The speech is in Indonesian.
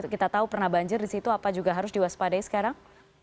kita tahu pernah banjir di situ apa juga harus diwaspadai sekarang